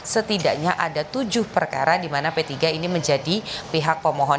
setidaknya ada tujuh perkara di mana p tiga ini menjadi pihak pemohon